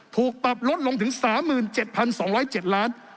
ถูกปรับลดลงถึง๓๗๒๐๗ล้าน